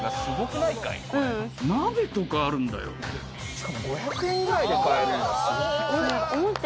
しかも５００円ぐらいで買えるんだよ。